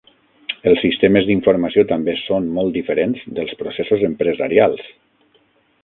Els sistemes d'informació també són molt diferents dels processos empresarials.